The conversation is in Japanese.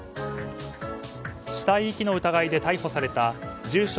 死体遺棄の疑いで逮捕された住所